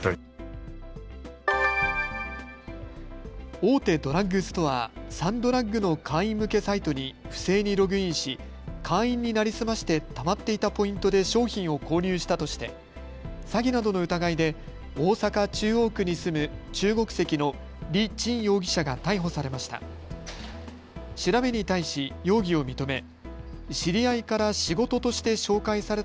大手ドラッグストア、サンドラッグの会員向けサイトに不正にログインし、会員に成り済まして、たまっていたポイントで商品を購入したとして詐欺などの疑いで大阪中央区に住む中国籍の李ちん容疑者が逮捕されました。